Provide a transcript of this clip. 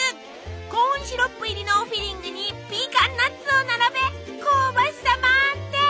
コーンシロップ入りのフィリングにピーカンナッツを並べ香ばしさ満点。